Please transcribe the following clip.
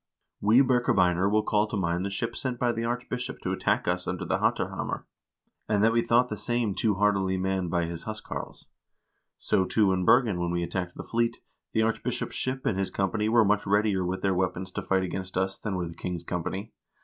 We Birkebeiner will call to mind the ship sent by the archbishop to attack us under the Hattarhamar, and that we thought the same too hardily manned by his huscarls. So, too, in Bergen, when we attacked the fleet, the archbishop's ship and his company were much readier with their weapons to fight against us than were the king's company.